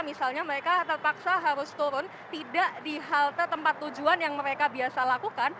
misalnya mereka terpaksa harus turun tidak di halte tempat tujuan yang mereka biasa lakukan